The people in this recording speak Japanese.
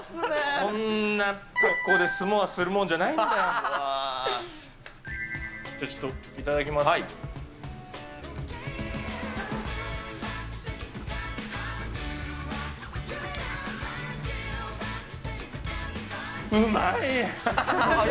こんな格好でスモアするもんじゃないんだよ。